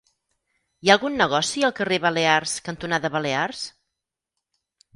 Hi ha algun negoci al carrer Balears cantonada Balears?